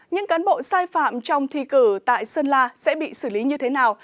những cán bộ sai phạm trong thi cử tại sơn la sẽ bị xử lý như thế nào